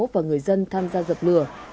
và người dân tham gia dập lửa